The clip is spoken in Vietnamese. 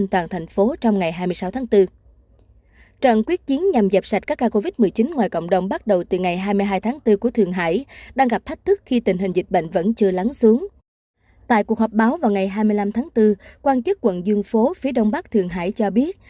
tại cuộc họp báo vào ngày hai mươi năm tháng bốn quan chức quận dương phố phía đông bắc thượng hải cho biết